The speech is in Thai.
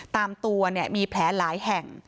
ตามตัวมีแผลหลายแห่ง